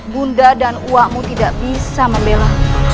bunda dan uakmu tidak bisa membela